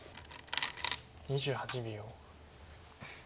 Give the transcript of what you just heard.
２８秒。